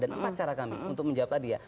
dan empat cara kami untuk menjawab tadi ya